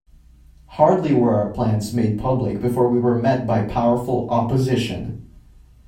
Hardly were our plans made public before we were met by powerful opposition.